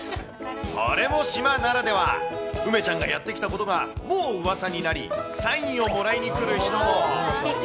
これも島ならでは、梅ちゃんがやって来たことが、もううわさになり、サインをもらいに来る人も。